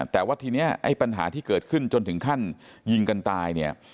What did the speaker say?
แต่ว่าทีนี้ไอ้ปัญหาที่เกิดขึ้นจนถึงขั้นยิงกันตายเนี่ย